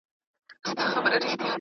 زه به سبا قلمان کار کړم!!